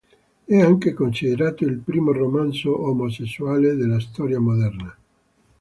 È anche considerato il primo romanzo omosessuale della storia moderna.